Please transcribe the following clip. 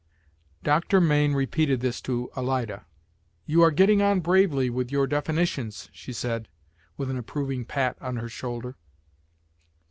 Doctor Mayne repeated this to Alida. "You are getting on bravely with your definitions," she said, with an approving pat on her shoulder.